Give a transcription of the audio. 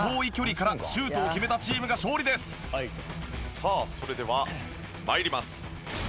さあそれでは参ります。